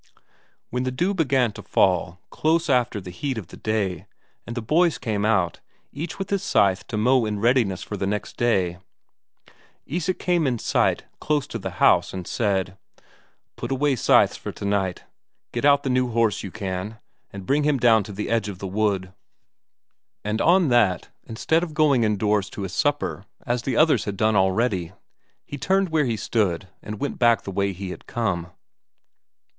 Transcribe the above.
When the dew began to fall close after the heat of the day, and the boys came out, each with his scythe to mow in readiness for next day, Isak came in sight close to the house and said: "Put away scythes for tonight. Get out the new horse, you can, and bring him down to the edge of the wood." And on that, instead of going indoors to his supper as the others had done already, he turned where he stood and went back the way he had come.